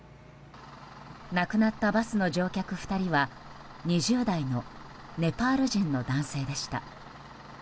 亡くなったバスの乗客２人は２０代のネパール人の男性でした。